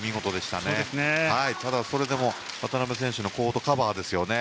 ただ、それでも渡辺選手のコートカバーですね。